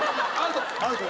アウト。